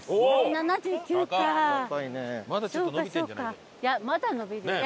いやまだ伸びるよ。